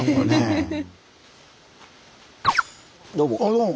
どうも。